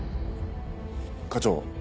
課長。